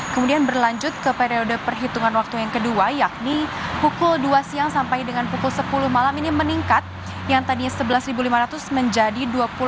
kemudian berlanjut ke periode perhitungan waktu yang kedua yakni pukul dua siang sampai dengan pukul sepuluh malam ini meningkat yang tadinya sebelas lima ratus menjadi dua puluh lima